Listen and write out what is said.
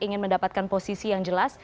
ingin mendapatkan posisi yang jelas